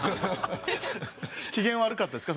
機嫌悪かったですか？